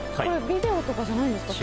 ビデオじゃないんですか？